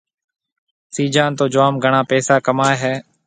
سِيجان تو جوم گھڻا پيسا ڪمائي هيَ۔